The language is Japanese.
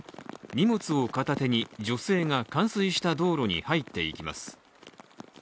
荷物を片手に女性が冠水した道路に入っていきます。